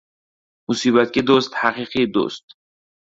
• Musibatdagi do‘st — haqiqiy do‘st.